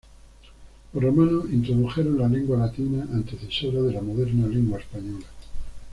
Los romanos introdujeron la lengua latina, antecesora de la moderna lengua española.